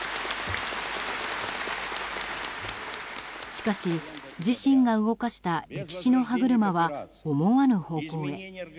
しかし、自身が動かした歴史の歯車は思わぬ方向へ。